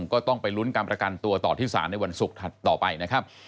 ก็ต้องไปลุ้นการประกันตัวต่อที่ศาลในวันศุกร์ถัดต่อไปนะครับ